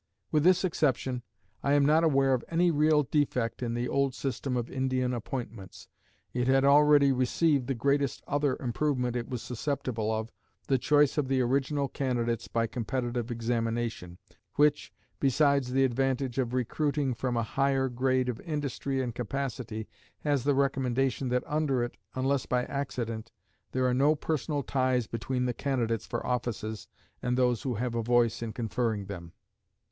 With this exception, I am not aware of any real defect in the old system of Indian appointments. It had already received the greatest other improvement it was susceptible of, the choice of the original candidates by competitive examination, which, besides the advantage of recruiting from a higher grade of industry and capacity, has the recommendation that under it, unless by accident, there are no personal ties between the candidates for offices and those who have a voice in conferring them.